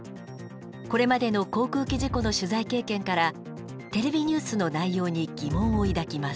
これまでの航空機事故の取材経験からテレビニュースの内容に疑問を抱きます。